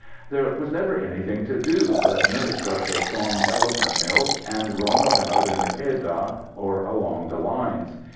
There was never anything to do but nurse of the strong elephant milk and roam about in the keddah or along the lines.